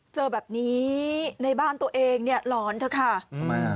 เจอแบบนี้ในบ้านตัวเองเนี่ยหลอนเถอะค่ะทำไม